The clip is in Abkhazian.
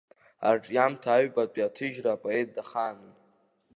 Арҿиамҭа аҩбатәи аҭыжьра апоет дахаанын.